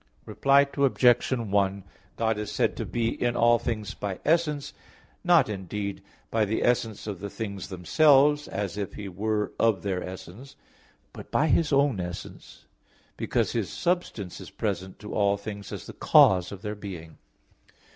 Reply Obj. 1: God is said to be in all things by essence, not indeed by the essence of the things themselves, as if He were of their essence; but by His own essence; because His substance is present to all things as the cause of their being.